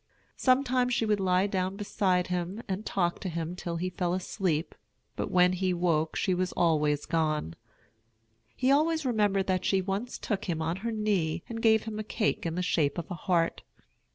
Sometimes she would lie down beside him and talk to him till he fell asleep, but when he woke she was always gone. He always remembered that she once took him on her knee and gave him a cake in the shape of a heart.